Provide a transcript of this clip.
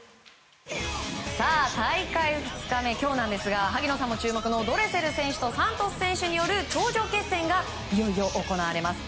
大会２日目の今日ですが萩野さんも注目のドレセル選手とサントス選手による頂上決戦がいよいよ行われます。